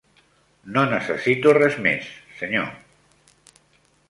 No necessito res més, senyor.